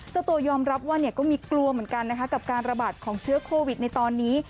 เจ้าตัวยอมรับว่าก็มีกลัวเหมือนกันนะคะกับการระบาดของเชื้อโควิดในตอนนี้